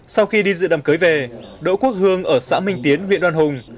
sau khi đi dự đầm cưới về đỗ quốc hương ở xã minh tiến huyện đoan hùng